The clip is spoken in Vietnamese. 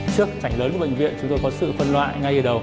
trước sảnh lớn của bệnh viện chúng tôi có sự phân loại ngay ở đầu